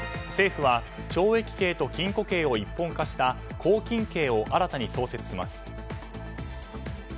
政府は懲役刑と禁錮刑を一本化した拘禁刑を新たに創設します。